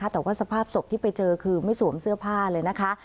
แต่ว่าสภาพศพที่ไปเจอคือไม่สวมเสื้อผ้าเลยนะคะ